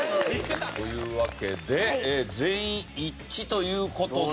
というわけで全員一致という事で。